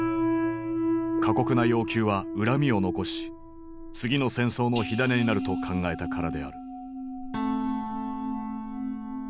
過酷な要求は恨みを残し次の戦争の火種になると考えたからである。